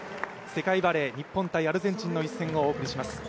世界バレー日本×アルゼンチンの一戦をお送りします。